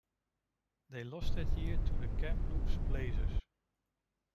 They lost that year to the Kamloops Blazers.